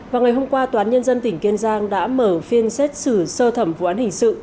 vào ngày hôm qua tòa án nhân dân tỉnh kiên giang đã mở phiên xét xử sơ thẩm vụ án hình sự